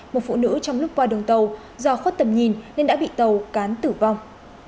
một phụ nữ trong lúc qua đường tàu do khuất tầm nhìn nên đã bị tàu cán tử vong